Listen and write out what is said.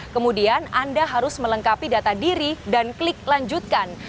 kemudian anda harus melengkapi data diri dan klik lanjutkan